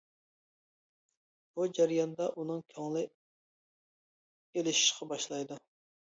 بۇ جەرياندا ئۇنىڭ كۆڭلى ئېلىشىشقا باشلايدۇ.